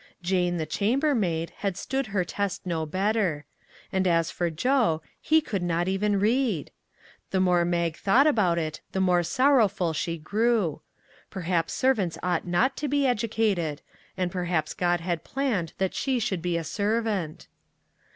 Jane, the chamber maid, had stood her 192 PEAS AND PICNICS . test no better ; and as for Joe, he could not even read! The more Mag thought about it, the more sorrowful she grew. Perhaps servants ought not to be educated; and perhaps God had planned that she should be a servant.